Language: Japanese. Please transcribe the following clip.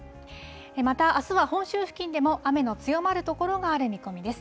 また、あすは本州付近でも雨の強まる所がある見込みです。